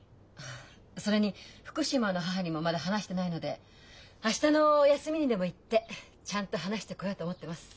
それに福島の母にもまだ話してないので明日の休みにでも行ってちゃんと話してこようと思ってます。